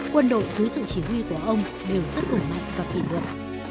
quân đội dưới sự chỉ huy của ông đều rất ủng mạnh và kỳ luật